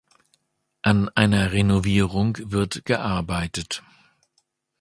An einer Renovierung wird gearbeitet.